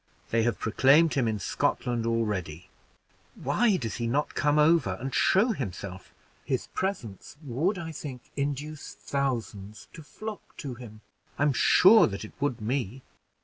They have proclaimed him in Scotland already. Why does he not come over and show himself? His presence would, I think, induce thousands to flock to him; I'm sure that it would me."